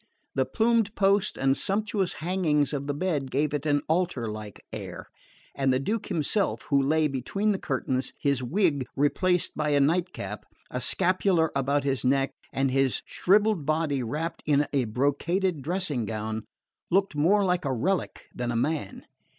The plumed posts and sumptuous hangings of the bed gave it an altar like air, and the Duke himself, who lay between the curtains, his wig replaced by a nightcap, a scapular about his neck, and his shrivelled body wrapped in a brocaded dressing gown, looked more like a relic than a man.